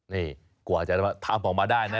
นี่กว่าจะทำออกมาได้นะ